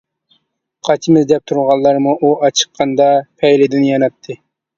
قاچىمىز، دەپ تۇرغانلارمۇ، ئۇ ئاچىققاندا پەيلىدىن ياناتتى.